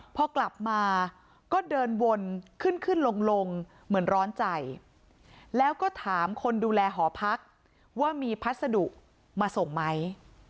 พอกลับมาก็เดินวนขึ้นขึ้นลงเหมือนร้อนใจแล้วก็ถามคนดูแลหอพักว่ามีพัสดุมาส่งไหม